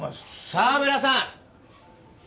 澤村さん！